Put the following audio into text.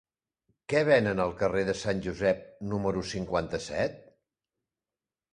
Què venen al carrer de Sant Josep número cinquanta-set?